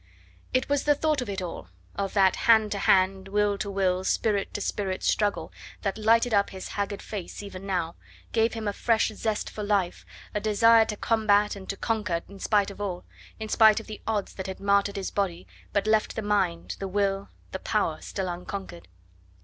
It was the thought of it all, of that hand to hand, will to will, spirit to spirit struggle that lighted up his haggard face even now, gave him a fresh zest for life, a desire to combat and to conquer in spite of all, in spite of the odds that had martyred his body but left the mind, the will, the power still unconquered.